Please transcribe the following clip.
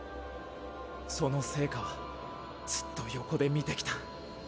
その成果はずっと横で見てきた。